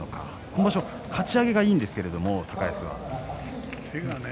今場所はかち上げがいいんですけれども。というかね